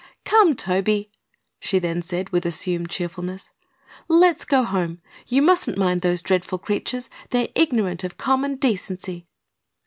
"Come, Toby," she then said, with assumed cheerfulness; "let's go home. You mustn't mind those dreadful creatures; they're ignorant of common decency."